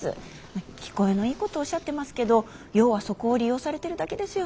聞こえのいいことをおっしゃってますけど要はそこを利用されてるだけですよね？